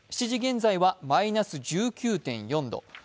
７時現在はマイナス１９．４度。